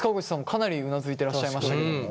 かなりうなずいてらっしゃいましたけども。